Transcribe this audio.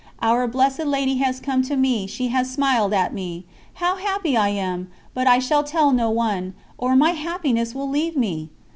"Our Blessed Lady has come to me, she has smiled at me. How happy I am, but I shall tell no one, or my happiness will leave me!"